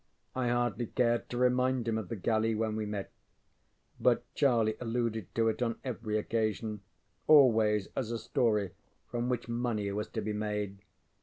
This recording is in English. I hardly cared to remind him of the galley when we met; but Charlie alluded to it on every occasion, always as a story from which money was to be made.